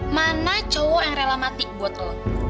mana cowok yang rela mati buat lo